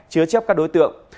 chứa chấp các đối tượng